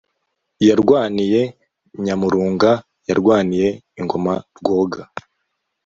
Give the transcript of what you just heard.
yarwaniye nyamurunga:yarwaniye ingoma rwoga